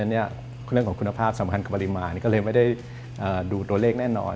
เรื่องของคุณภาพสำคัญกับปริมาณก็เลยไม่ได้ดูตัวเลขแน่นอน